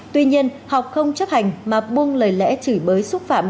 tuy nhiên học không chấp hành mà buông lời lẽ chửi bới xúc phạm